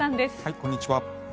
こんにちは。